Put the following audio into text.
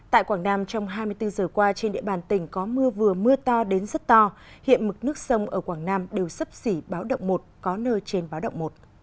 tại quảng nam trong hai mươi bốn giờ qua trên địa bàn tỉnh có mưa vừa mưa to đến rất to hiện mực nước sông ở quảng nam đều sấp xỉ báo động một có nơi trên báo động một